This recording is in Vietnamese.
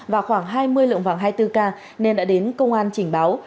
và khoảng hai mươi lượng vàng hai mươi bốn ca nên đã đến công an chỉnh báo